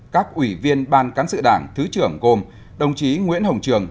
các ủy viên ban cán sự đảng thứ trưởng gồm đồng chí nguyễn hồng trường